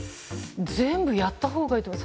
全部やったほうがいいと思う。